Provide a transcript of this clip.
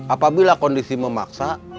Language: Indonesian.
apabila kondisi memaksa